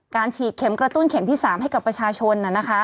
ฉีดเข็มกระตุ้นเข็มที่๓ให้กับประชาชน